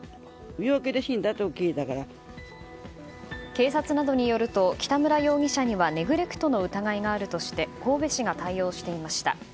警察などによると北村容疑者にはネグレクトの疑いがあるとして神戸市が対応していました。